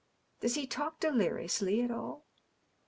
" Does he talk deliriously at all